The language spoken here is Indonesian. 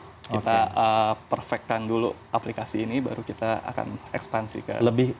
kita perfectkan dulu aplikasi ini baru kita akan ekspansikan